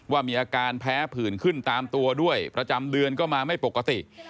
ว่ามีอาการแพ้ผื่นขึ้นตามตัวด้วยประจำเดือนก็มาไม่ปกติ